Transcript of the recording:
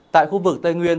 tại khu vực tây nguyên